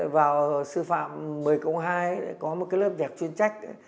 vào sư phạm một mươi hai có một cái lớp nhạc chuyên trách